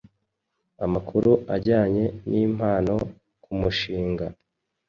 Amakuru ajyanye nimpano kumushinga